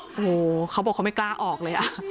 โอ้โหเขาบอกเขาไม่กล้าออกเลย